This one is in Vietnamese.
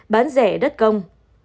hai bán rẻ đất công